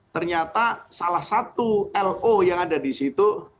ternyata salah satu lo yang ada di situ